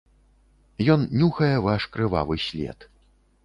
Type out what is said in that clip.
Ён нюхае ваш крывавы след.